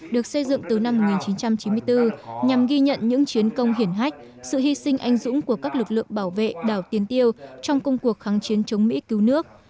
được xây dựng từ năm một nghìn chín trăm chín mươi bốn nhằm ghi nhận những chiến công hiển hách sự hy sinh anh dũng của các lực lượng bảo vệ đảo tiến tiêu trong công cuộc kháng chiến chống mỹ cứu nước